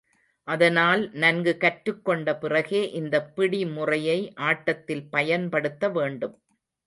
அதனால், நன்கு கற்றுக்கொண்ட பிறகே, இந்தப் பிடிமுறையை ஆட்டத்தில் பயன்படுத்த வேண்டும்.